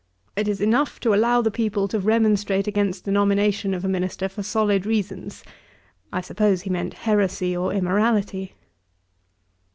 It is enough to allow the people to remonstrate against the nomination of a minister for solid reasons.' (I suppose he meant heresy or immorality.)